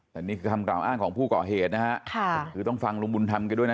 แต่นี่คือคำกล่าวอ้างของผู้ก่อเหตุนะฮะค่ะคือต้องฟังลุงบุญธรรมกันด้วยนะ